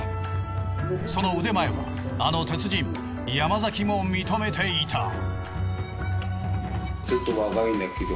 その腕前はあの鉄人山崎も認めていた。